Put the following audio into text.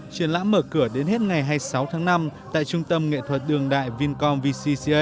triển lãm mở cửa đến hết ngày hai mươi sáu tháng năm tại trung tâm nghệ thuật đường đại vincom vcca